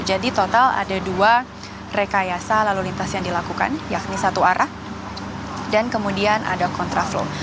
jadi total ada dua rekayasa lalu lintas yang dilakukan yakni satu arah dan kemudian ada contra flow